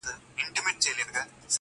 گــــوره زمــا د زړه ســـكــــونـــــه.